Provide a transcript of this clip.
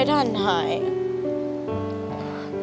ผมคิดว่าสงสารแกครับ